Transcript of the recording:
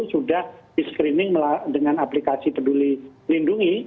sudah di screening dengan aplikasi peduli lindungi